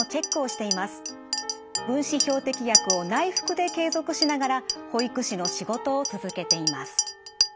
分子標的薬を内服で継続しながら保育士の仕事を続けています。